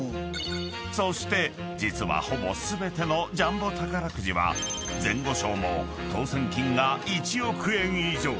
［そして実はほぼ全てのジャンボ宝くじは前後賞も当せん金が１億円以上］